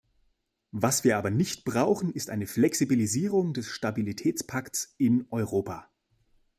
Was wir aber nicht brauchen, ist eine Flexibilisierung des Stabilitätspakts in Europa.